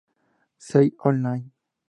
Zeit Online.